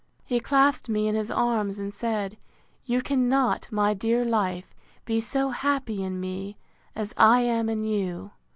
He clasped me in his arms, and said, You cannot, my dear life, be so happy in me, as I am in you.